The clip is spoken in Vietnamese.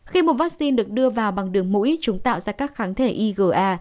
khi một vaccine được đưa vào bằng đường mũi chúng tạo ra các kháng thể iga